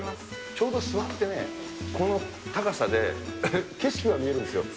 ちょうど座ってね、この高さで景色は見えるんですよ。